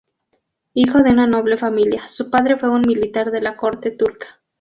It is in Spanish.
Hijo de una noble familia, su padre fue un militar de la corte turca.